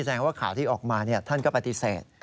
แสดงว่าข่าวที่ออกมาท่านก็ปฏิเสธ